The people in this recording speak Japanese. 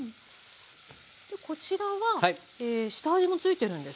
こちらは下味もついてるんですか？